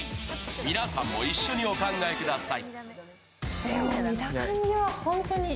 皆さんも一緒にお考えください。